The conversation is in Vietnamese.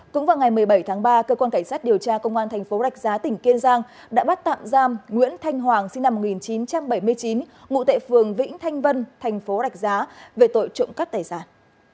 cũng vào ngày một mươi bảy tháng ba cơ quan cảnh sát điều tra công an tp đạch giá tỉnh kiên giang đã bắt tạm giam nguyễn thanh hoàng sinh năm một nghìn chín trăm bảy mươi chín ngụ tệ phường vĩnh thanh vân tp đạch giá về tội trộm cắt tài sản